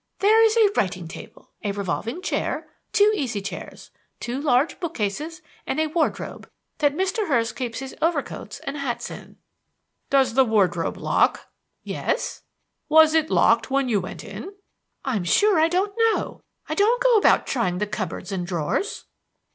"There is a writing table, a revolving chair, two easy chairs, two large book cases, and a wardrobe that Mr. Hurst keeps his overcoats and hats in." "Does the wardrobe lock?" "Yes." "Was it locked when you went in?" "I'm sure I don't know. I don't go about trying the cupboards and drawers."